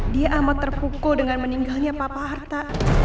dia amat terpukul dengan meninggalnya papa harta